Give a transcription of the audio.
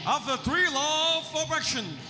อัฟเตอร์๓รอร์ฟอร์แอคชั่น